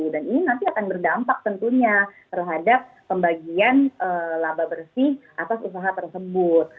dan ini nanti akan berdampak tentunya terhadap pembagian laba bersih atas usaha tersebut